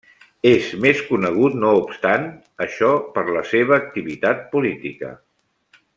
És més conegut no obstant això per la seva activitat política.